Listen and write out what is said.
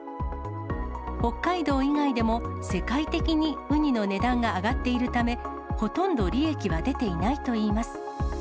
北海道以外でも、世界的にウニの値段が上がっているため、ほとんど利益は出ていないといいます。